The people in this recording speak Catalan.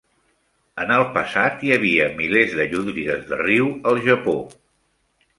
En el passat, hi havia milers de llúdrigues de riu al Japó.